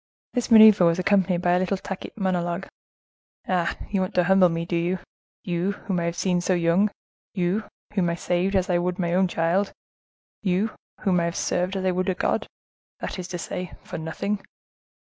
This maneuver was accompanied by a little tacit monologue. "Ah! you want to humble me, do you?—you, whom I have seen so young—you, whom I have saved as I would my own child,—you, whom I have served as I would a God—that is to say, for nothing.